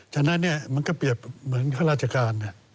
ฉะนั้นเนี่ยมันก็เปรียบเหมือนพระราชการ